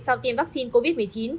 sau tiêm vaccine covid một mươi chín